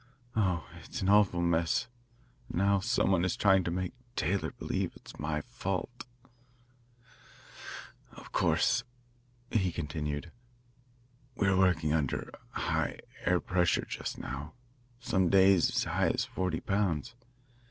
Oh, it's an awful mess; and now some one is trying to make Taylor believe it is my fault. "Of course," he continued, "we are working under a high air pressure just now, some days as high as forty pounds.